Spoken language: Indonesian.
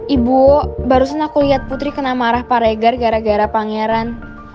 ibu barusan aku liat putri kena marah pak regar gara gara pangeran